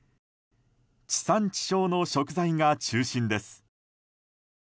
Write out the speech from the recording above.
地産地消の食材が中心です。